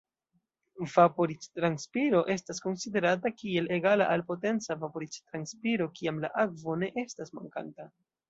Vaporiĝ-transpiro estas konsiderata kiel egala al potenca vaporiĝ-transpiro kiam la akvo ne estas mankanta.